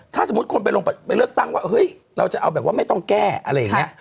ถ้าสมมุติคนไปลงไปเลือกตั้งว่าเฮ้ยเราจะเอาแบบว่าไม่ต้องแก้อะไรอย่างนี้